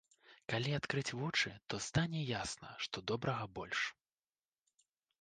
Калі адкрыць вочы, то стане ясна, што добрага больш.